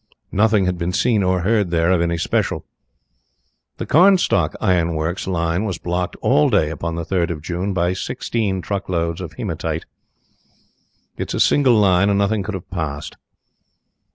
Nothing had been seen or heard there of any special. The Carnstock Iron Works line was blocked all day upon the 3rd of June by sixteen truckloads of hematite. It is a single line, and nothing could have passed.